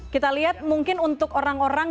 kita lihat mungkin untuk orang orang